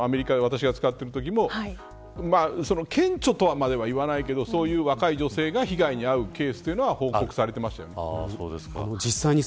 確かにそれはアメリカで私が使っているときも顕著とまでは言わないけどそういう若い女性が被害に遭うケースは報告されてましたよね。